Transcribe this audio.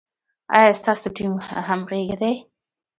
ایا ستاسو ټیم همغږی دی؟